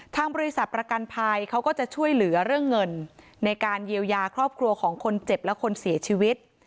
ทางบริษัทประกันภัยเขาก็จะช่วยเหลือเรื่องเงินในการเยียวยาครอบครัวของคนเจ็บและคนเสียชีวิต